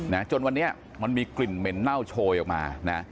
จนวันนี้มันมีกลิ่นเหม็นเน่าโชยออกมานะ